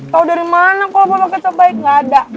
tau dari mana kalau botol kecap baik gak ada